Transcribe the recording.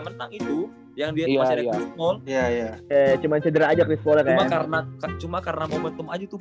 menang itu yang dia iya iya iya iya cuma cedera aja cuma karena cuma karena momentum aja tuh